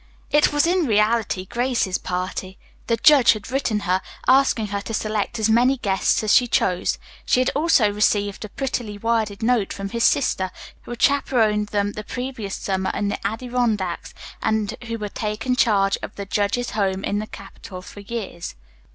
It was in reality Grace's party. The judge had written her, asking her to select as many guests as she chose. She had also received a prettily worded note from his sister, who had chaperoned them the previous summer in the Adirondacks, and who had taken charge of the judge's home in the capital for years.